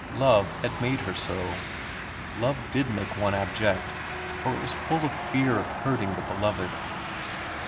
Love had made her so. Love did make one abject, for it was full of fear of hurting the beloved.